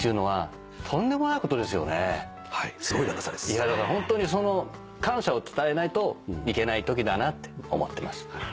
いやだからホントに感謝を伝えないといけないときだなって思ってます。